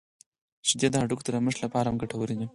• شیدې د هډوکو د نرمښت لپاره هم ګټورې دي.